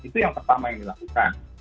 itu yang pertama yang dilakukan